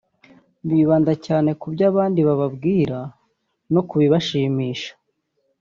Bibanda cyane ku byo abandi bababwira no kubibashimisha